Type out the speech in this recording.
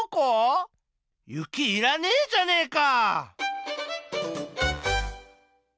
雪いらねえじゃねえか！